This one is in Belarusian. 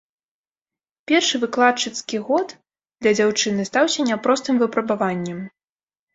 Першы выкладчыцкі год для дзяўчыны стаўся няпростым выпрабаваннем.